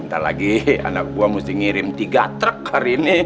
ntar lagi anak buah mesti ngirim tiga truk hari ini